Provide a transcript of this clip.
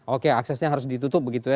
oke aksesnya harus ditutup begitu ya